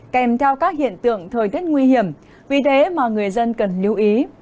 kèm theo các hiện tượng thời tiết nguy hiểm vì thế mà người dân cần lưu ý